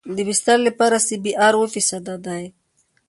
د بستر لپاره سی بي ار اوه فیصده دی